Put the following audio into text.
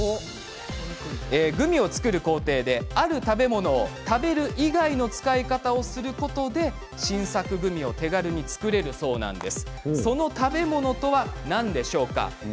グミを作る工程で、ある食べ物を食べる以外の使い方をすることで新作グミを手軽に作れるそうです。